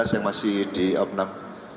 sebelas yang masih di opnam